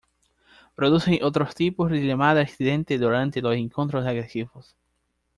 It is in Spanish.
Producen otros tipos de llamadas estridentes durante los encuentros agresivos.